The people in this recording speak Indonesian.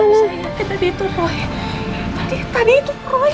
roy tadi itu roy tadi roy